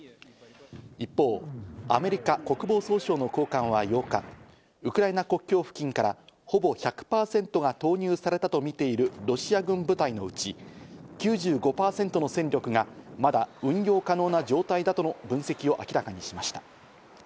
一方、アメリカ国防総省の高官は８日、ウクライナ国境付近からほぼ１００％が投入されたとみているロシア軍部隊のうち、９５％の戦力がまだ運用可能な状態だとの分析を明らかにしました。